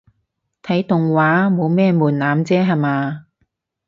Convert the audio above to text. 睇動畫冇咩門檻啫吓嘛